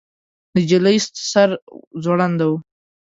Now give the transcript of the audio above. د نجلۍ سر ځوړند و.